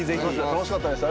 楽しかったです